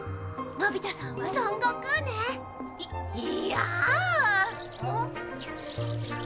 「のび太さんは孫悟空ね」だって！